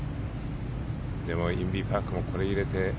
でも、インビ・パクもこれを入れて。